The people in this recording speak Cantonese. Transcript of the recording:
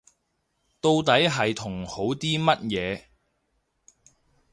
到底係同好啲乜嘢